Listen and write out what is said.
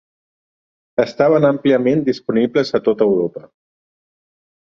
Estaven àmpliament disponibles a tot Europa.